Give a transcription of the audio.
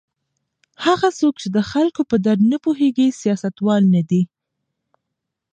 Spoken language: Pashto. هغه څوک چې د خلکو په درد نه پوهیږي سیاستوال نه دی.